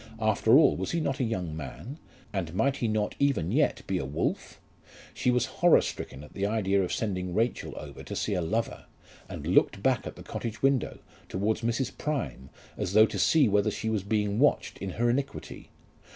After all was he not a young man; and might he not, even yet, be a wolf? She was horrorstricken at the idea of sending Rachel over to see a lover, and looked back at the cottage window, towards Mrs. Prime, as though to see whether she was being watched in her iniquity.